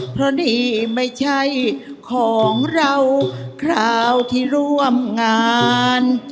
เพราะนี่ไม่ใช่ของเราคราวที่ร่วมงาน